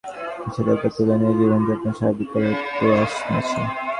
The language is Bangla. প্রশাসন বাইরে চলাফেরার ওপর নিষেধাজ্ঞা তুলে নিয়ে জীবনযাপন স্বাভাবিক করার প্রয়াস নিয়েছে।